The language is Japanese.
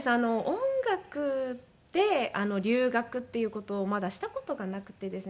音楽で留学っていう事をまだした事がなくてですね。